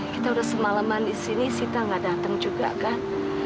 kita udah semalaman di sini sita gak datang juga kan